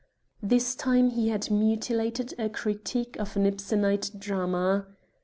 This time he had mutilated a critique of an Ibsensite drama.